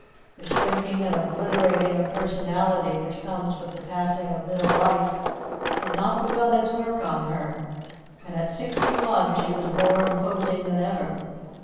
The shrinking and obliterating of personality which comes with the passing of middle life had not begun its work on her, and at sixty one she was more imposing than ever.